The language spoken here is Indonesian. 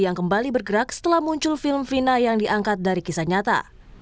yang kembali bergerak setelah muncul film final yang diangkat dari kisah nyata